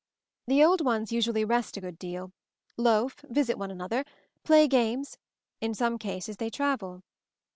"The old ones usually rest a good deal, loaf, visit one another, play games, in some cases they travel.